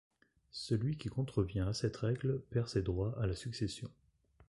Celui qui contrevient à cette règle perd ses droits à la succession.